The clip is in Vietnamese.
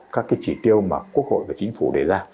các cái chỉ tiêu mà quốc hội và chính phủ đề ra